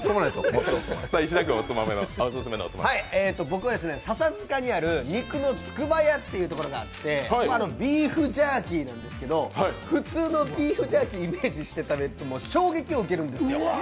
僕は笹塚に肉の筑波屋というところがあってビーフジャーキーなんですけど普通のビーフジャーキーをイメージして食べるともう衝撃を受けるんですよ。